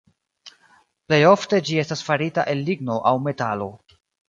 Plejofte ĝi estas farita el ligno aŭ metalo.